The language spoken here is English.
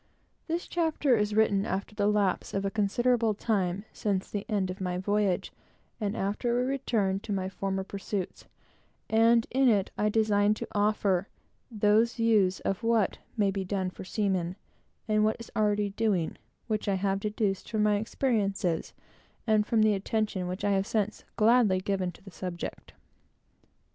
This chapter is written after the lapse of a considerable time since the end of my voyage, and after a return to my former pursuits; and in it I design to offer those views of what may be done for seamen, and of what is already doing, which I have deduced from my experiences, and from the attention which I have since gladly given to the subject.